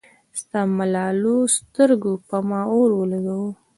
ستا ملالو سترګو پۀ ما اور اولګوو